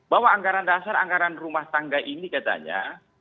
bahwa anggaran dasar anggaran rumah tangga ini katanya